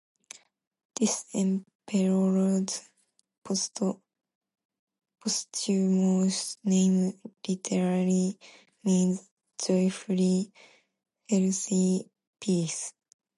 This emperor's posthumous name literally means "joyfully healthy peace".